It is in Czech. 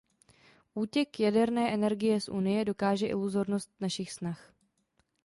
Útěk jaderné energie z Unie ukáže iluzornost našich snah.